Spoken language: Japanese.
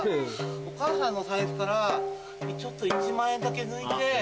お母さんの財布から１万円だけ抜いて